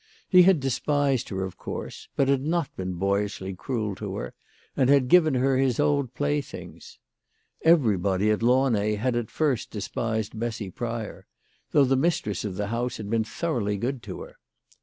He had despised her, of course ; but had not been boyishly cruel to her, and had given her his old playthings. Everybody at Launay had at first despised Bessy Pryor ; though the mistress of the house had been thoroughly good to her.